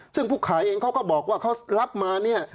ซึ่งผู้ขายเองเขาก็บอกว่าเขารับมาเนี่ย